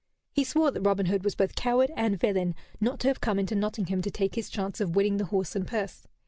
He swore that Robin Hood was both coward and villain not to have come into Nottingham to take his chance of winning the horse and purse.